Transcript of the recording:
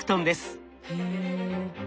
へえ。